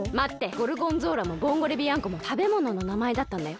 ゴルゴンゾーラもボンゴレビアンコもたべものの名前だったんだよ。